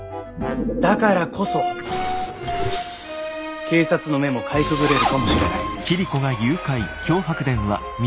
だからこそ警察の目もかいくぐれるかもしれない。